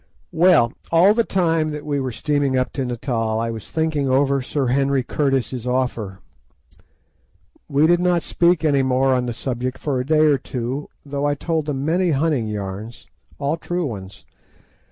Well, all the time that we were steaming up to Natal I was thinking over Sir Henry Curtis's offer. We did not speak any more on the subject for a day or two, though I told them many hunting yarns, all true ones.